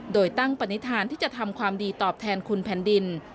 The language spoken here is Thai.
โดยตั้งปณิธานที่จะทำความดีตอบแทนคุณแผ่นดิน